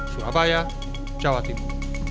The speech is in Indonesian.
surabaya jawa timur